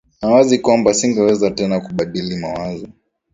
ni wazi kwamba asingeweza tena kubadili mawazo